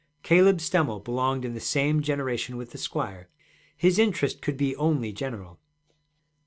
Caleb Stemmel belonged in the same generation with the squire; his interest could be only general.